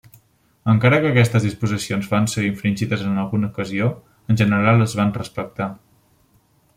Encara que aquestes disposicions van ser infringides en alguna ocasió, en general es van respectar.